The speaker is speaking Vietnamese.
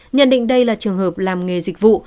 nhận định đây là trường hợp làm nghề dịch vụ